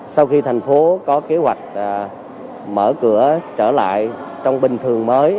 sau khi thành phố có kế hoạch mở cửa trở lại trong bình thường mới